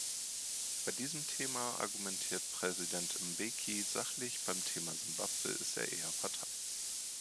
Bei diesem Thema argumentiert Präsident Mbeki sachlich, beim Thema Simbabwe ist er eher Partei.